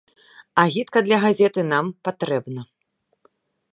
Агітка для газеты нам патрэбна.